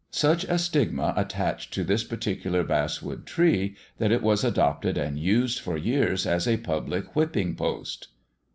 Such a stigma attached to this particular basswood tree that it was adopted and used for years as a public whipping post.